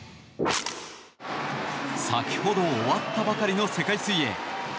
先ほど終わったばかりの世界水泳。